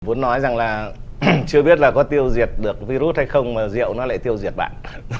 muốn nói rằng là chưa biết là có tiêu diệt được virus hay không mà rượu nó lại tiêu diệt bạn